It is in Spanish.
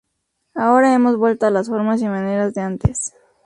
Ahora hemos vuelto a las formas y maneras de antes